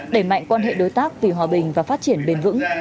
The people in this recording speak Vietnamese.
đẩy mạnh quan hệ đối tác vì hòa bình và phát triển bền vững